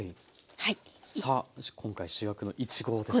さあ今回主役のいちごですね。